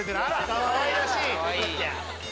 かわいらしい！